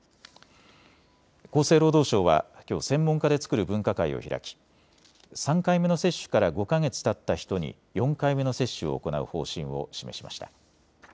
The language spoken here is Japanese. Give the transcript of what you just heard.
厚生労働省はきょう専門家で作る分科会を開き３回目の接種から５か月たった人に４回目の接種を行う方針を示しました。